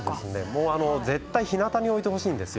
絶対ひなたに置いてほしいんです。